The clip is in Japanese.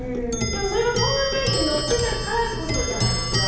でもそれがホームページに載ってたからこそじゃないですか。